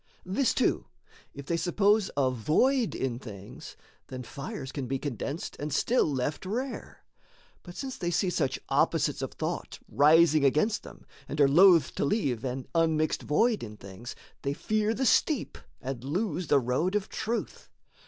This too: if they suppose a void in things, Then fires can be condensed and still left rare; But since they see such opposites of thought Rising against them, and are loath to leave An unmixed void in things, they fear the steep And lose the road of truth.